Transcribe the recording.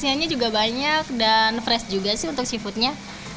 dan ya porsianya juga banyak dan fresh juga sih untuk seafoodnya